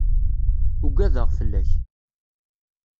Ugadeɣ fell-ak.